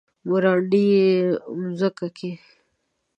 مراندې يې مځکه کې ،